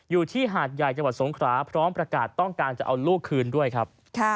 อยู่ที่หาดใหญ่จังหวัดสงคราพร้อมประกาศต้องการจะเอาลูกคืนด้วยครับ